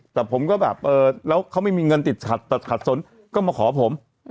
แต่ผมก็แบบเออแล้วเขาไม่มีเงินติดขัดสนก็มาขอผม